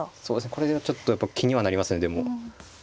これはちょっとやっぱ気にはなりますねでも。